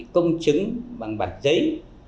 công chứng bằng bản giấy